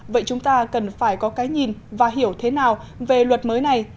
vậy chúng ta cần phải có cái nhìn và hiểu thế nào về luật mới này